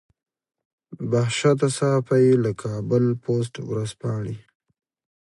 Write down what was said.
بهشته صافۍ له کابل پوسټ ورځپاڼې.